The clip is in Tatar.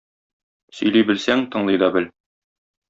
Сөйли белсәң, тыңлый да бел!